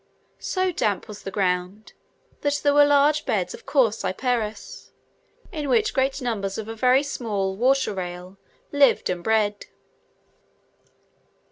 So damp was the ground, that there were large beds of a coarse cyperus, in which great numbers of a very small water rail lived and bred.